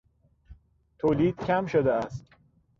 تولید کم شده است.